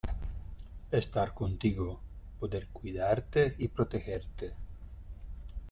estar contigo, poder cuidarte y protegerte.